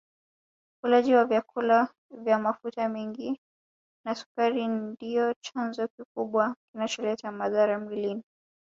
Ulaji wa vyakula vya mafuta mengi na sukari ndio chanzo kikubwa kinacholeta madhara mwilini